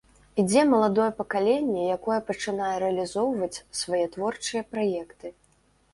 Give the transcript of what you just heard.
Ідзе маладое пакаленне, якое пачынае рэалізоўваць свае творчыя праекты.